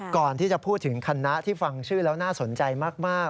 ก่อนที่จะพูดถึงคณะที่ฟังชื่อแล้วน่าสนใจมาก